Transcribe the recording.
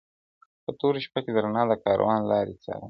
• په توره شپه کي د رڼا د کاروان لاري څارم..